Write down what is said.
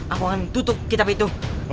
aku akan tutup kitab itu